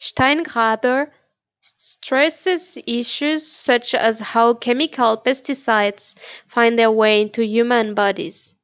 Steingraber stresses issues such as how chemical pesticides find their way into human bodies.